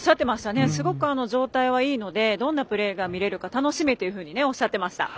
すごく状態はいいのでどんなプレーが見れるか楽しみとおっしゃってました。